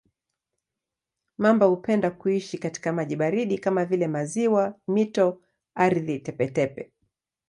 Mamba hupenda kuishi katika maji baridi kama vile maziwa, mito, ardhi tepe-tepe.